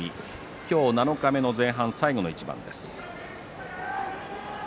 今日、七日目前半最後の一番です。